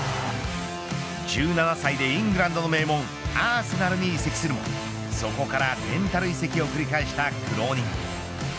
１７歳でイングランドの名門アーセナルに移籍するもそこからレンタル移籍を繰り返した苦労人。